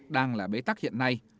đang là bế tắc hiện nay